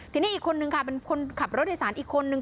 ทีนี้อีกคนนึงค่ะเป็นคนขับรถโดยสารอีกคนนึง